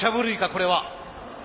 これは。